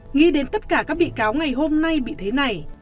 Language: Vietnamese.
nghĩ đến tất cả các bị cáo ngày hôm nay bị thế này